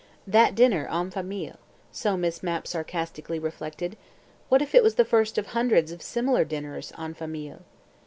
That dinner en famille, so Miss Mapp sarcastically reflected what if it was the first of hundreds of similar dinners en famille?